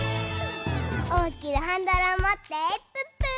おおきなハンドルをもってプップー！